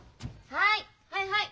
はい！